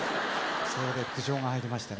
それで苦情が入りましてね。